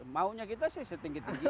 dua ratus maunya kita sih setinggi tinggi